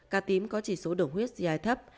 cà tím có chỉ số đường huyết dài thấp